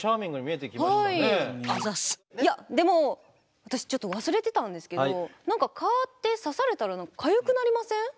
私ちょっと忘れてたんですけど何か蚊って刺されたらかゆくなりません？